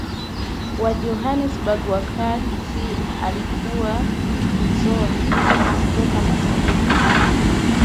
Wa Johannesburg wakati alikuwa likizoni kutoka masomoni